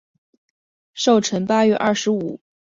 寿辰八月二十五。